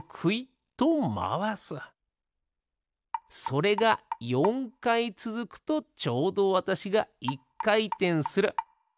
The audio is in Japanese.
それが４かいつづくとちょうどわたしが１かいてんする。